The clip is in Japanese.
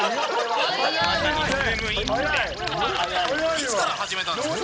いつから始めたんですか？